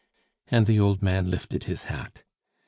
and the old man lifted his hat.